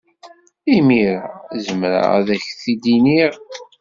Imir-a, zemreɣ ad ak-t-id-iniɣ.